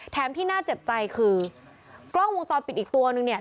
ที่น่าเจ็บใจคือกล้องวงจรปิดอีกตัวนึงเนี่ย